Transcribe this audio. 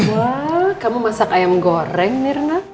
wah kamu masak ayam goreng nih rena